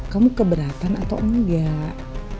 kamu keberatan atau enggak